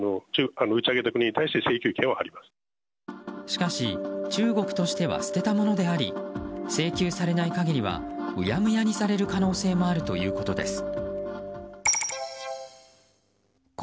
しかし中国としては捨てたものであり請求されない限りはうやむやにされる可能性もあるということです。